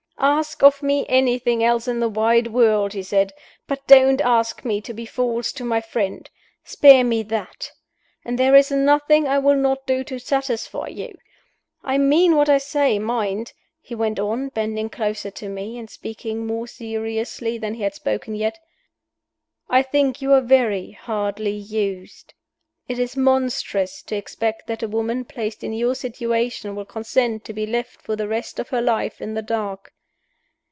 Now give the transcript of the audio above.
"Ask of me anything else in the wide world," he said; "but don't ask me to be false to my friend. Spare me that and there is nothing I will not do to satisfy you. I mean what I say, mind!" he went on, bending closer to me, and speaking more seriously than he had spoken yet "I think you are very hardly used. It is monstrous to expect that a woman, placed in your situation, will consent to be left for the rest of her life in the dark.